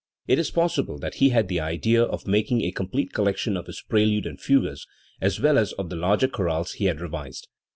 It is possible that he had the idea of making a complete collection of his preludes and fugues, as well as of the larger chorales he had revised.